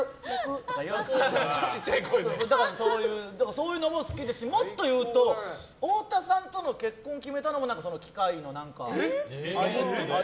そういうのも好きですしもっと言うと、太田さんとの結婚を決めたのも機械の何か。